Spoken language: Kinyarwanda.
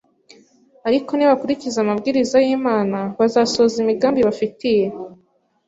Ariko nibakurikiza amabwiriza y’Imana, bazasohoza imigambi ibafitiye,